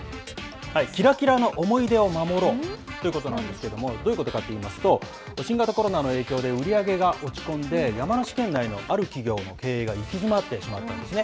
キラキラの思い出を守ろう！ということなんですけども、どういうことかといいますと、新型コロナの影響で売り上げが落ち込んで、山梨県内のある企業の経営が行き詰まってしまったんですね。